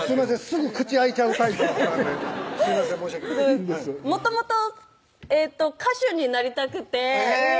すぐ口開いちゃうタイプの子ですいません申し訳ないもともと歌手になりたくてへぇ！